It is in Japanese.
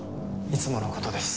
いつもの事です。